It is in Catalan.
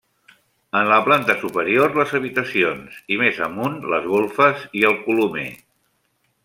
En la planta superior les habitacions, i més amunt les golfes i el colomer.